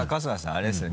あれですね